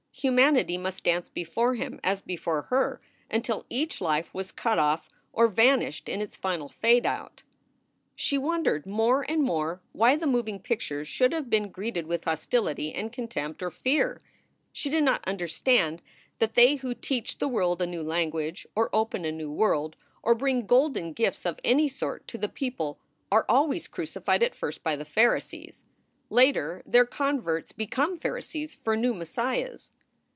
Humanity must dance before him as before her until each life was cut off or vanished in its final fade out She wondered more and more why the moving pictures should have been greeted with hostility and contempt or fear. She did not understand that they w r ho teach the world a new language, or open a new world, or bring golden gifts of any sort to the people are always crucified at first by the Pharisees. Later, their converts become Pharisees for new Messiahs.